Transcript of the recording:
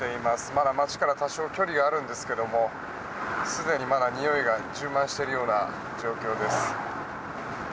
まだ町から多少距離があるんですけれどもすでに、においが充満しているような状況です。